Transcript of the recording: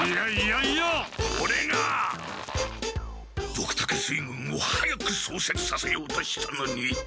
ドクタケ水軍を早くそうせつさせようとしたのに！